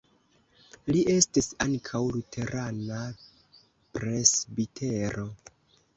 Li estis ankaŭ luterana presbitero.